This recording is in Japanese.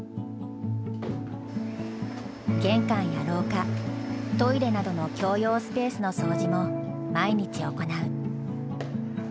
玄関や廊下トイレなどの共用スペースの掃除も毎日行う。